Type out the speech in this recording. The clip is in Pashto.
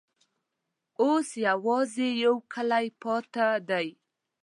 اوس یوازي یو کلی پاته دی.